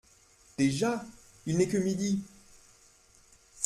Déjà ! il n’est que midi !